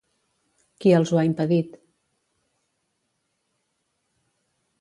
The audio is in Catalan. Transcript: Qui els ho ha impedit?